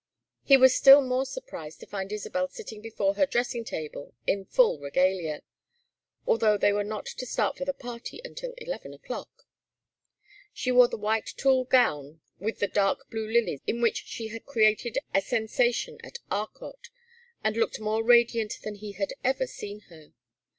He was still more surprised to find Isabel sitting before her dressing table in full regalia, although they were not to start for the party until eleven o'clock. She wore the white tulle gown with the dark blue lilies in which she had created a sensation at Arcot, and looked more radiant than he had ever seen her.